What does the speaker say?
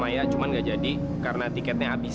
mbak dewi sama mbak dewi cuma gak jadi karena tiketnya habis